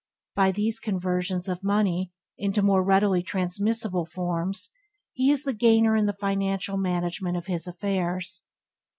By these conversions of money into more readily transmissible forms he is the gainer in the financial management of his affairs.